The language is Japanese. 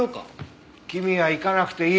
君は行かなくていい。